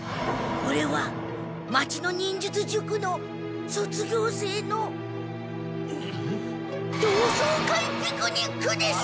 これは町の忍術塾の卒業生の同窓会ピクニックです！